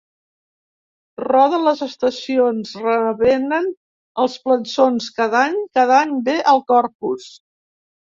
Roden les estacions, revenen els plançons: cada any, cada any ve el Corpus.